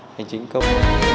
hành chính công